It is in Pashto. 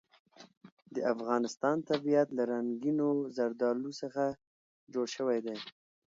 د افغانستان طبیعت له رنګینو زردالو څخه جوړ شوی دی.